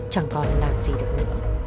chẳng còn làm gì được nữa